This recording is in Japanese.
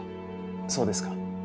そうですか。